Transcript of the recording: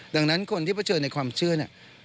ดังนั้นคนที่เผชิญในความเชื่อเนี่ย